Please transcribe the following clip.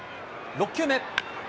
６球目。